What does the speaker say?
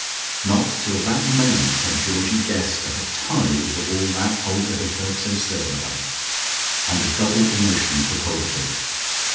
Not till that moment had Georgie guessed at a tithe of all that Olga had felt so certain about, and a double emotion took hold of him.